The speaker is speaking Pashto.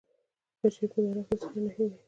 د پنجشیر په دره کې د څه شي نښې دي؟